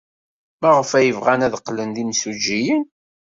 Maɣef ay bɣan ad qqlen d imsujjiyen?